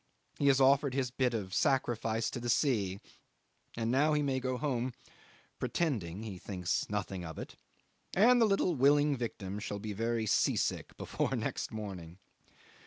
He has offered his bit of sacrifice to the sea, and now he may go home pretending he thinks nothing of it; and the little willing victim shall be very sea sick before next morning.